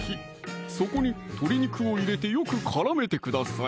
そこに鶏肉を入れてよく絡めてください